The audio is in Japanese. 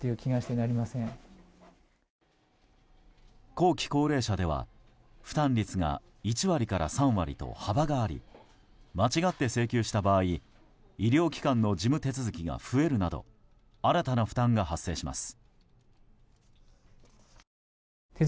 後期高齢者では負担率が１割から３割と幅があり間違って請求した場合医療機関の事務手続きが増えるなど新たな負担が発生します。